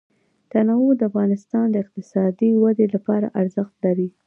تنوع د افغانستان د اقتصادي ودې لپاره ارزښت لري.